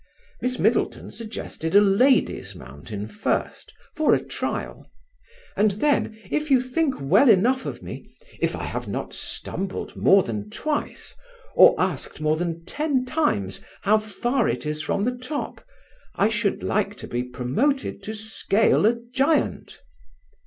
Miss Middleton suggested a lady's mountain first, for a trial. "And then, if you think well enough of me if I have not stumbled more than twice, or asked more than ten times how far it is from the top, I should like to be promoted to scale a giant."